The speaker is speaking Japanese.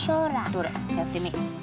どれやってみよう。